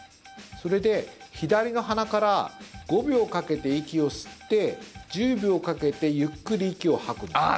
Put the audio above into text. それで、左の鼻から５秒かけて息を吸って１０秒かけてゆっくり息を吐くんです。